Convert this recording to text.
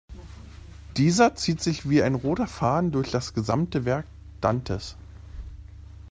Dieses zieht sich wie ein roter Faden durch das gesamte Werk Dantes.